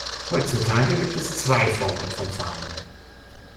Heutzutage gibt es zwei Formen von Farmen.